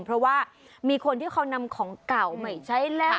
เพราะว่ามีคนที่เขานำของเก่าใหม่ใช้แล้ว